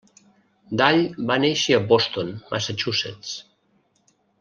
Dall va néixer a Boston, Massachusetts.